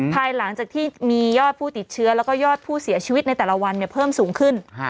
ภายหลังจากที่มียอดผู้ติดเชื้อแล้วก็ยอดผู้เสียชีวิตในแต่ละวันเพิ่มสูงขึ้น